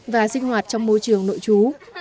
và sinh hoạt trong môi trường nội chú